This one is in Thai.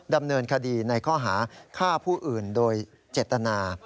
ดำเนินคดีในข้อหาฆ่าผู้อื่นโดยเจตนา